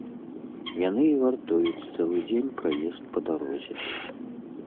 Яны і вартуюць цэлы дзень праезд па дарозе.